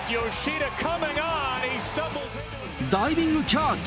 ダイビングキャッチ。